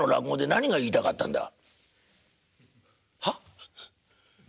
何が言いたかったんだ。